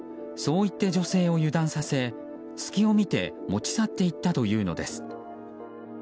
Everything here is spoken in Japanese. そう言って女性を油断させ隙を見て持ち去っていったというのです。